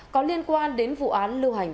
có liên quan đến vụ án lưu hành